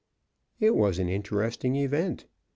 It was an interesting event.